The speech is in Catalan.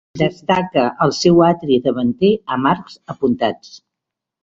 Destaca el seu atri davanter amb arcs apuntats.